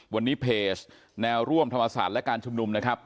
วันนี้เพจแนวร่วมธรรมศาสตร์และการชุมนุมนะครับ